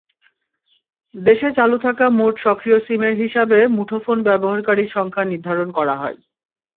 দেশে চালু থাকা মোট সক্রিয় সিমের হিসাবে মুঠোফোন ব্যবহারকারীর সংখ্যা নির্ধারণ করা হয়।